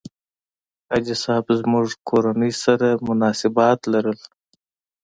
حاجي صاحب زموږ کورنۍ سره مناسبات لرل.